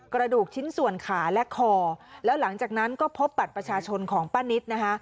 กระดูกชิ้นส่วนขาและคอแล้วหลังจากนั้นก็พบบัตรประชาชนของป้านิตนะคะ